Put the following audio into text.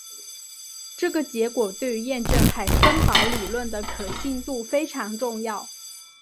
这个结果对于验证海森堡理论的可信度非常重要。